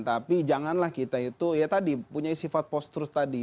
tapi janganlah kita itu ya tadi punya sifat postrust tadi